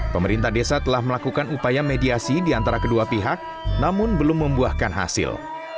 pemerintah desa telah melakukan upaya mediasi di antara kedua pihak namun belum membuahkan hasil